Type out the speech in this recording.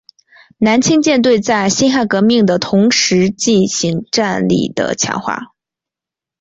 南清舰队在辛亥革命的同时进行战力的强化。